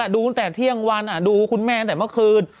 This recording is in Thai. ดูตั้งแต่เที่ยงวันดูคุณแม่แต่เมื่อคืน